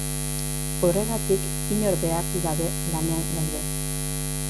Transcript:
Horregatik, inor behartu gabe, lanean gaude.